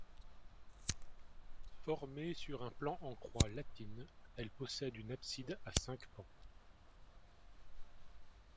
Formé sur un plan en croix latine, elle possède une abside à cinq pans.